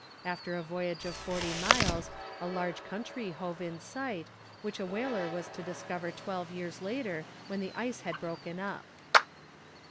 After a voyage of forty miles a large country hove in sight, which a whaler was to discover twelve years later when the ice had broken up.